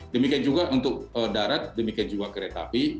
demikian juga untuk darat demikian juga kereta api